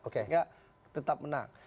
sehingga tetap menang